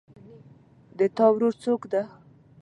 د تا ورور څوک ده